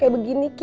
kayak begini ki